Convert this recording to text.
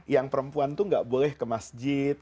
yang perempuan itu gak boleh ke masjid